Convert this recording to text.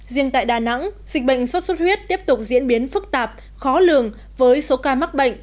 riêng tại đà nẵng dịch bệnh sốt xuất huyết tiếp tục diễn biến phức tạp khó lường với số ca mắc bệnh